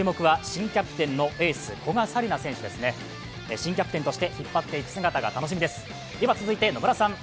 新キャプテンとして引っ張っていく姿が楽しみです。